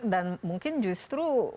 dan mungkin justru